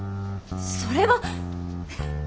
それは。